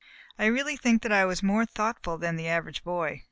I really think that I was more thoughtful than the average boy.